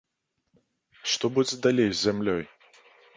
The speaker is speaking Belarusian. Што будзе далей з зямлёй?